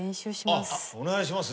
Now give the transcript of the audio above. お願いします